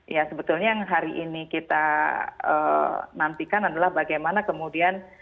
ya sebetulnya yang hari ini kita nantikan adalah bagaimana kemudian